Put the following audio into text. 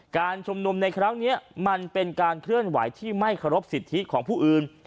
การชุมนุมในครั้งนี้มันเป็นการเคลื่อนไหวที่ไม่เคารพสิทธิของผู้อื่น